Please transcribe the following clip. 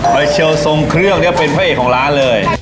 โดยเชลทรงเครื่องเนี่ยเป็นพระเอกของร้านเลย